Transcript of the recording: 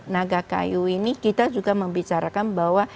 naga kayu ini kita juga membicarakan bahwa